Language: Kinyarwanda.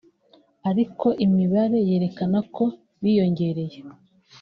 ariko imibare yerekana ko biyongereye